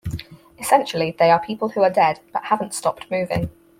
Essentially, they are people who are dead, but haven't stopped moving.